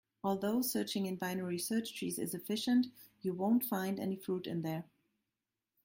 Although searching in binary search trees is efficient, you won't find any fruit in there.